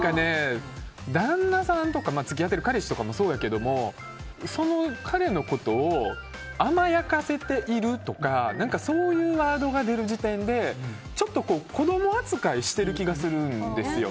旦那さんとか付き合っている彼氏とかもそうだけどその彼のことを甘やかせているとかそういうワードが出る時点でちょっと子供扱いしてる気がするんですよ。